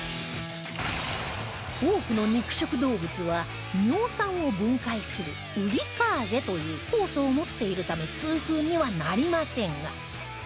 多くの肉食動物は尿酸を分解するウリカーゼという酵素を持っているため痛風にはなりませんが